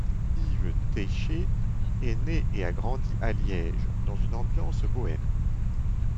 Yves Teicher est né et a grandi à Liège dans une ambiance bohème.